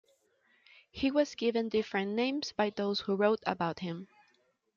He was given different names by those who wrote about him.